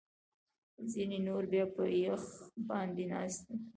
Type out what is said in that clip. ځینې نور بیا په یخ باندې ناست وي